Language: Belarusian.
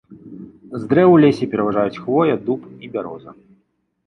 З дрэў у лесе пераважаюць хвоя, дуб і бяроза.